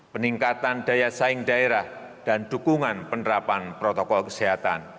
peningkatan daya saing daerah dan dukungan penerapan protokol kesehatan